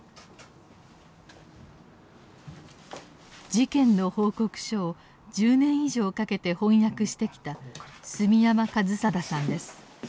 事件の報告書を１０年以上かけて翻訳してきた住山一貞さんです。